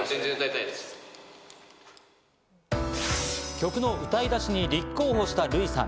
曲の歌いだしに立候補したルイさん。